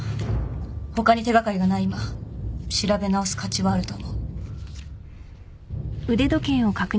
他に手掛かりがない今調べ直す価値はあると思う。